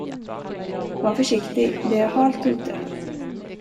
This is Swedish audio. Var försiktig, det är halt ute.